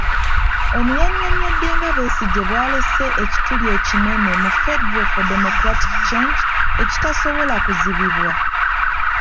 Ono yannyonnyodde nga Besigye bw'alese ekituli ekinene mu Federal for Democratic Change ekitasobola kuzibibwa.